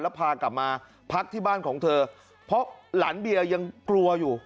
แล้วพากลับมาพักที่บ้านของเธอเพราะหลานเบียยังกลัวอยู่